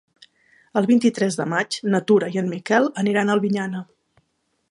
El vint-i-tres de maig na Tura i en Miquel aniran a Albinyana.